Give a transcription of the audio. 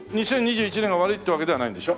２０２１年が悪いってわけではないんでしょ？